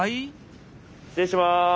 失礼します。